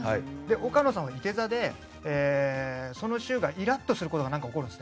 岡野さんは、いて座でその週、イラッとすることが起こるんです。